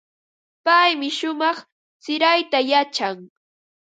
Paymi shumaq sirayta yachan.